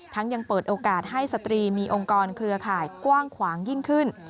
ยังเปิดโอกาสให้สตรีมีองค์กรเครือข่ายกว้างขวางยิ่งขึ้น